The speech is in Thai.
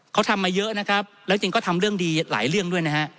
เขาทำมาเยอะนะครับแล้วจริงก็ทำเรื่องดีหลายเรื่องด้วยนะฮะ